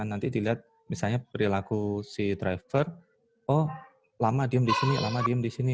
nanti dilihat misalnya perilaku si driver oh lama diem di sini lama diem di sini